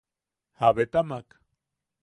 ¿Jabetamak?